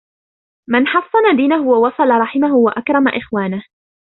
مَنْ حَصَّنَ دِينَهُ وَوَصَلَ رَحِمَهُ وَأَكْرَمَ إخْوَانَهُ